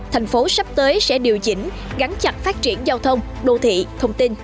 thành phố sắp tới sẽ điều chỉnh gắn chặt phát triển giao thông đô thị thông tin